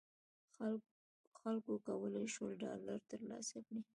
خلکو کولای شول ډالر تر لاسه کړي.